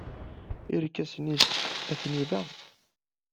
Irkasen-nnes atni da.